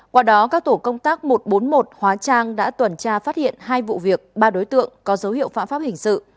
qua đó các tổ công tác một trăm bốn mươi một hóa trang đã tuần tra phát hiện hai vụ việc ba đối tượng có dấu hiệu phạm pháp hình sự